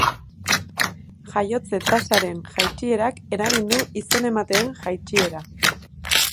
Jaiotze-tasaren jaitsierak eragin du izen-emateen jaitsiera.